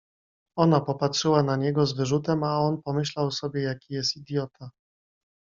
Ona popatrzyła na niego z wyrzutem, a on pomyślał sobie, jaki jest idiota.